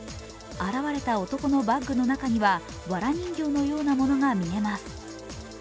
現れた男のバッグの中にはわら人形のようなものが見えます。